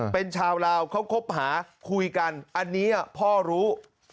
เป็นชาวลาวเขาคบหาคุยกันอันนี้พ่อรู้